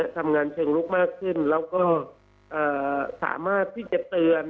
ทำงานเชิงลุกมากขึ้นแล้วก็สามารถที่จะเตือน